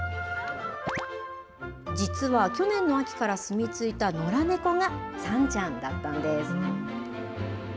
実は去年の秋から住みついた野良猫がさんちゃんだったんです。